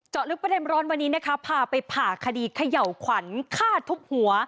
ลึกประเด็นร้อนวันนี้นะคะพาไปผ่าคดีเขย่าขวัญฆ่าทุบหัว